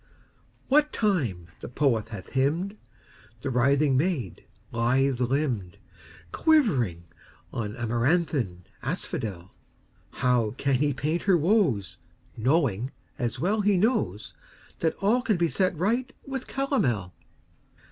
What time the poet hath hymned The writhing maid, lithe limbed, Quivering on amaranthine asphodel, How can he paint her woes, Knowing, as well he knows, That all can be set right with calomel?